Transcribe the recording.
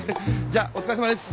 じゃあお疲れさまです。